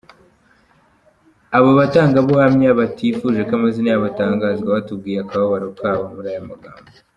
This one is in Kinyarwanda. Aba batangabuhamya batifuje ko amazina yabo atangazwa, batubwiye akababaro kabo muri aya magambo.